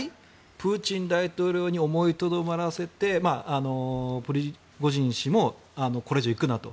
プーチン大統領に思いとどまらせてプリゴジン氏もこれ以上行くなと。